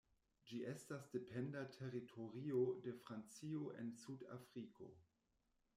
Ĝi estas dependa teritorio de Francio en Sud-Afriko.